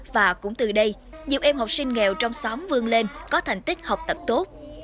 và cũng từ đây nhiều em học sinh nghèo trong xóm vươn lên có thành tích học tập tốt